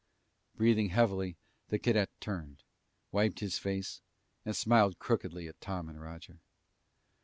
Breathing heavily, the cadet turned, wiped his face, and smiled crookedly at Tom and Roger.